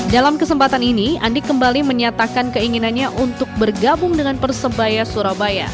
dalam kesempatan ini andik kembali menyatakan keinginannya untuk bergabung dengan persebaya surabaya